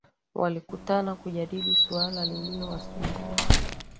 Walikutana kujadili suala lililowasumbua